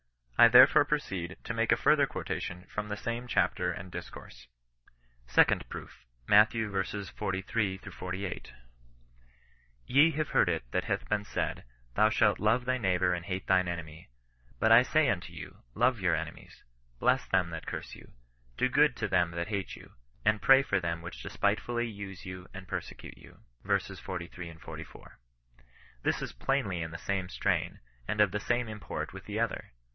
I therefore proceed to make a further quotation &om the same chapter and discourse. SECOND PBOOP, MATT. V. 43—48. " Ye have heard that it hath been said, thou shalt love thy neighbour and hate thine enemy: But I say unto you, love your enemies, bless them that curse you, do good to them that hate you, and pray for them which de spitefully use you and persecute you." lb. v. 43, 44. This is plainly in the same strain, and of the same import with the other.